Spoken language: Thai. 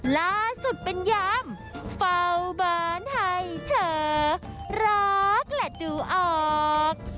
ล่าสุดเป็นยามเฝ้าบ้านให้เธอรักและดูออก